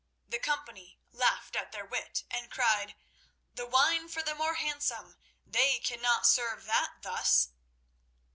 The company laughed at their wit, and cried: "The wine for the more handsome. They cannot serve that thus."